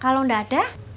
kalau nggak ada